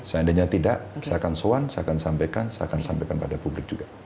seandainya tidak saya akan soan saya akan sampaikan saya akan sampaikan pada publik juga